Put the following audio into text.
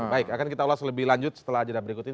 baik akan kita ulas lebih lanjut setelah ajadah berikut ini